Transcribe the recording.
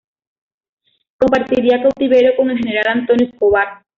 Compartiría cautiverio con el general Antonio Escobar.